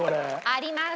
あります。